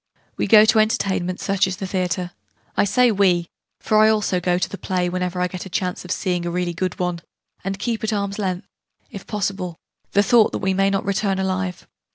We go to entertainments, such as the theatre I say 'we', for I also go to the play, whenever I get a chance of seeing a really good one and keep at arm's length, if possible, the thought that we may not return alive.